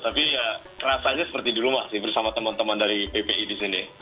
tapi ya rasanya seperti dulu masih bersama teman teman dari ppi di sini